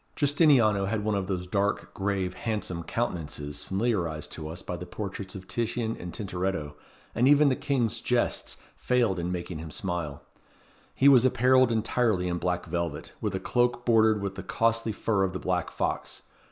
Giustiniano had one of those dark, grave, handsome countenances familiarized to us by the portraits of Titian and Tintoretto, and even the King's jests failed in making him smile. He was apparelled entirely in black velvet, with a cloak bordered with the costly fur of the black fox.